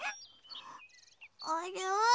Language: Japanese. あれ？